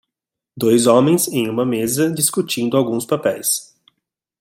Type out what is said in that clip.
Dois homens em uma mesa discutindo alguns papéis.